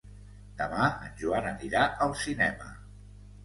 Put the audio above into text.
Demà en Joan anirà al cinema.